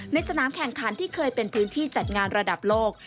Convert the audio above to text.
ในสนามแข่งขันที่เคยเป็นพื้นที่จัดงานระดับโลก